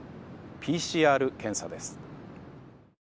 ＰＣＲ検査です。